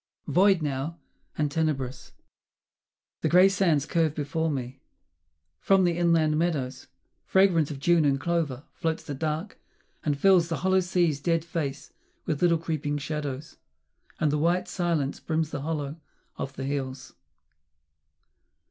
Void now and tenebrous, The grey sands curve before me. ... From the inland meadows, Fragrant of June and clover, floats the dark, and fills The hollow sea's dead face with little creeping shadows, And the white silence brims the hollow of the hills.